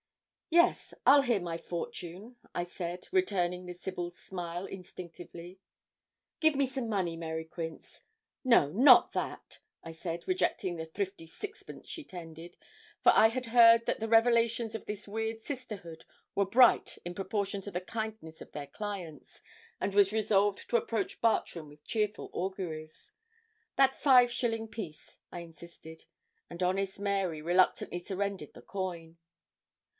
'Yes, I'll hear my fortune,' I said, returning the sibyl's smile instinctively. 'Give me some money, Mary Quince. No, not that,' I said, rejecting the thrifty sixpence she tendered, for I had heard that the revelations of this weird sisterhood were bright in proportion to the kindness of their clients, and was resolved to approach Bartram with cheerful auguries. 'That five shilling piece,' I insisted; and honest Mary reluctantly surrendered the coin.